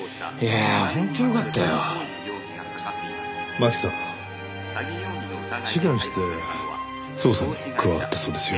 真紀さん志願して捜査に加わったそうですよ。